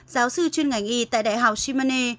giáo sư chuyên ngành y tại đại học shimane